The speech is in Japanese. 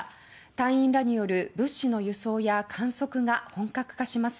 隊員らによる物資の輸送や観測が本格化します。